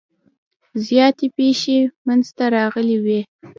زیاتې پیښې منځته راغلي وي.